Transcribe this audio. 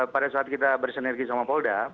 pada saat kita bersinergi sama polda